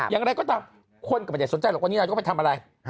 อย่างไรก็ตามคนก็ไม่ได้สนใจหรอกวันนี้นายกก็ไปทำอะไร